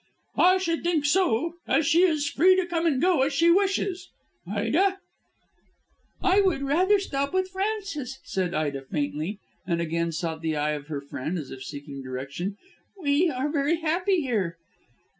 "I should think so; as she is free to come and go as she wishes. Ida?" "I would rather stop with Frances," said Ida faintly, and again sought the eye of her friend, as if seeking direction. "We are very happy here."